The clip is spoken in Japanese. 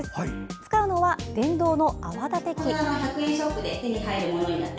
使うのは、電動の泡立て器。